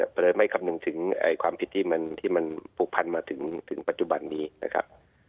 ก็เลยไม่คำนึงถึงความผิดที่มันผูกพันมาถึงปัจจุบันนี้นะครับ